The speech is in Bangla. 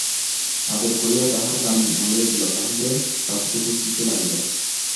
আদর করিয়া তাহার কান মলিয়া দিল, তাহাকে কাতুকুতু দিতে লাগিল।